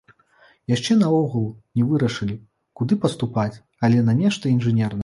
Яшчэ наогул не вырашылі, куды паступаць, але на нешта інжынернае.